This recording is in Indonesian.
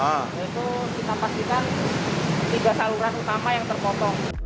yaitu kita pastikan tiga saluran utama yang terpotong